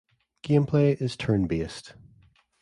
Gameplay is turn-based.